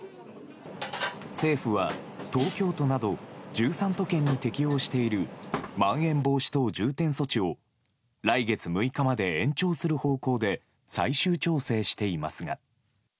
政府は、東京都など、１３都県に適用している、まん延防止等重点措置を、来月６日まで延長する方向で最終調整していますが。